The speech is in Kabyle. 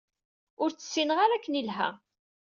Ur tt-ssineɣ ara akken ilha.